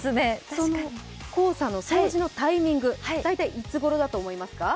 黄砂の掃除のタイミング大体、いつごろだと思いますか？